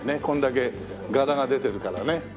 こんだけ柄が出てるからね。